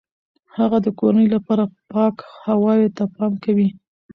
هغه د کورنۍ لپاره پاک هوای ته پام کوي.